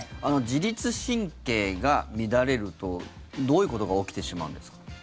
自律神経が乱れるとどういうことが起きてしまうんですか？